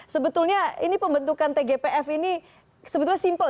sebetulnya ini pembentukan tgpf ini sebetulnya simpel